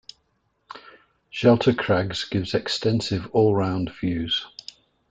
Shelter Crags gives extensive all-round views.